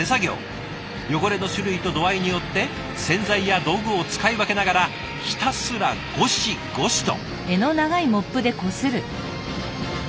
汚れの種類と度合いによって洗剤や道具を使い分けながらひたすらごしごしと。